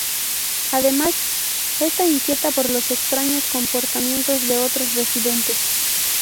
Además, está inquieta por los extraños comportamientos de otros residentes.